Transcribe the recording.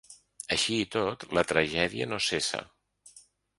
Així i tot, la tragèdia no cessa.